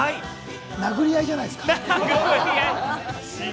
殴り合いじゃないですか？